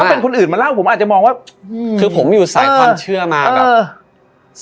เป็นคนอื่นมาเล่าผมอาจจะมองว่าคือผมอยู่สายความเชื่อมาแบบเออ